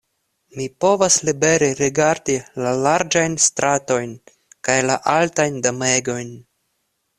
Mi povas libere rigardi la larĝajn stratojn kaj la altajn domegojn.